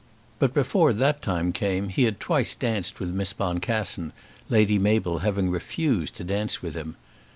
But before that time came he had twice danced with Miss Boncassen, Lady Mabel having refused to dance with him.